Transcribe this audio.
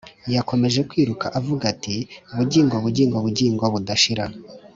Yakomeje kwiruka, avuga ati: “Bugingo, bugingo, bugingo budashira